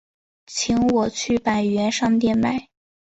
请我去百元商店买